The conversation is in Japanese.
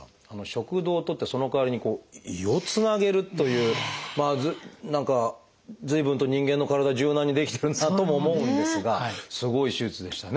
食道を取ってそのかわりに胃をつなげるという何か随分と人間の体柔軟に出来てるなとも思うんですがすごい手術でしたね。